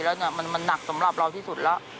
แล้วเนี่ยมันหนักสำหรับเราที่สุดแล้ว